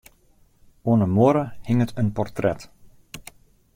Oan 'e muorre hinget in portret.